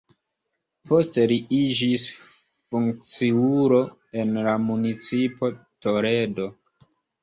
Poste li iĝis funkciulo en la Municipo Toledo.